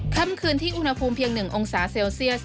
ค่ำคืนที่อุณหภูมิเพียง๑องศาเซลเซียส